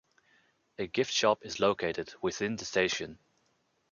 A gift shop is located within the station.